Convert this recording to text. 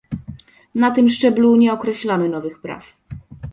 Na tym szczeblu nie określamy nowych praw